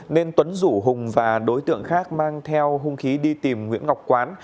nên tuấn rủ hùng và đối tượng khác mang theo hung khí đi tìm nguyễn ngọc quán